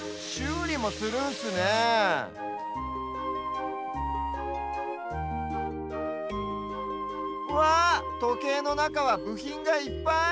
うりもするんすねえわっとけいのなかはぶひんがいっぱい！